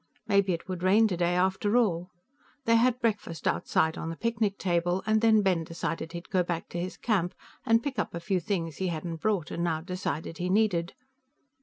Maybe it would rain today after all. They had breakfast outside on the picnic table, and then Ben decided he'd go back to his camp and pick up a few things he hadn't brought and now decided he needed.